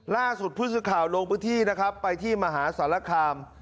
ล่าสุดผู้สื่อข่าวลงพื้นที่นะครับไปที่มหาสารคาม